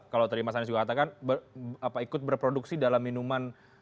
kalau tadi mas anies juga katakan ikut berproduksi dalam minuman